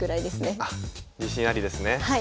あっ自信ありですね。